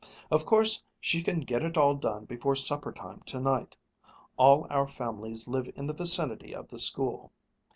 Of course she can get it all done before supper time tonight. All our families live in the vicinity of the school."